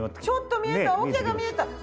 ちょっと見えたおけが見えた！